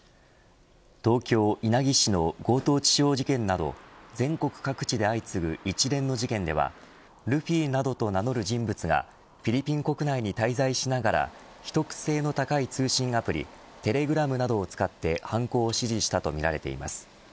東京、稲城市の強盗致傷事件など全国各地で相次ぐ一連の事件ではルフィなどと名乗る人物がフィリピン国内に滞在しながら秘匿性の高い通信アプリテレグラムなどを使って犯行を指示したとみられています。